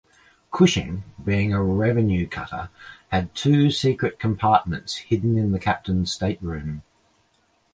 "Cushing", being a revenue cutter, had two secret compartments hidden in the captain's stateroom.